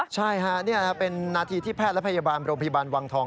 ใช่ค่ะนี่เป็นนาทีที่แพทย์และพยาบาลโรงพยาบาลวังทอง